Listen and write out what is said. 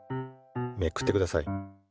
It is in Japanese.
めくってください。